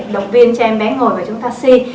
động viên cho em bé ngồi và chúng ta si